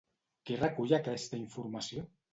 Qui recull aquesta informació?